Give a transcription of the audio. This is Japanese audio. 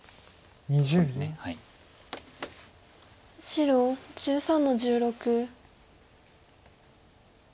白１３の十六。